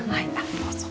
どうぞ。